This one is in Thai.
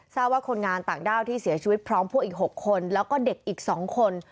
ทราบว่าคนงานต่างด้าวที่เสียชีวิตพร้อมพวกอีก๖คนแล้วก็เด็กอีก๒คน